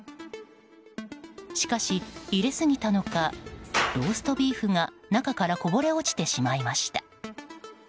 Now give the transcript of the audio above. しかし、入れすぎたのかローストビーフが中からこぼれ落ちてしまいました。